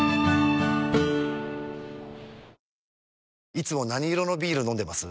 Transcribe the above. いつも何色のビール飲んでます？